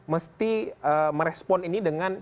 mesti merespon ini dengan